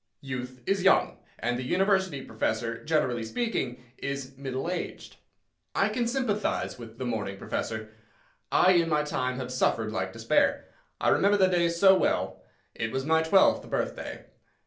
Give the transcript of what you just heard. Youth is young, and the University professor, generally speaking, is middle aged. I can sympathise with the mourning professor. I, in my time, have suffered like despair. I remember the day so well; it was my twelfth birthday.